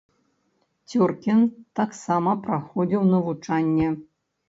Цёркін таксама праходзіў навучанне.